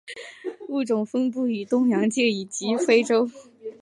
物种分布于东洋界及非洲。